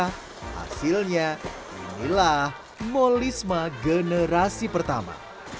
hasilnya inilah molisme generasi pertama